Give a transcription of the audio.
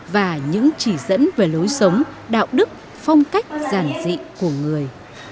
và những chỉ dẫn về lối sống đạo đức phong cách giản dị của người